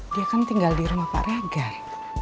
dia kan tinggal di rumah pak regar